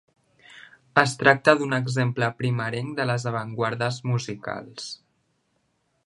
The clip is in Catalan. Es tracta d'un exemple primerenc de les avantguardes musicals.